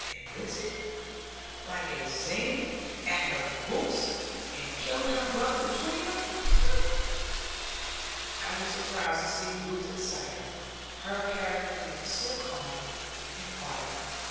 And Lizzie, like a zany, at her books! And killing her brother, between them!' I was surprised to see Ruth excited; her character being so calm and quiet.